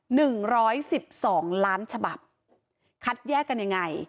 หนึ่งร้อยสิบสองล้านฉบับคัดแยกกันยังไง